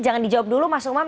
jangan dijawab dulu mas umam